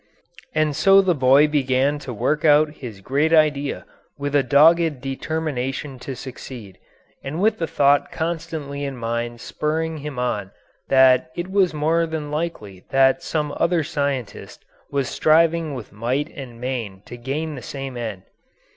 ] And so the boy began to work out his great idea with a dogged determination to succeed, and with the thought constantly in mind spurring him on that it was more than likely that some other scientist was striving with might and main to gain the same end.